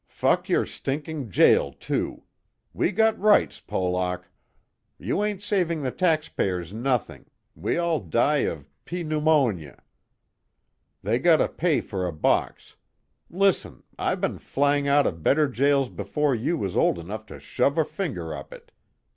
_ "Fuck your stinking jail too! We got rights, Polack. You ain't saving the taxpayers nothing, we all die of pee neumo nia, they gotta pay for a box. Listen, I been flang out of better jails before you was old enough to shove a finger up it.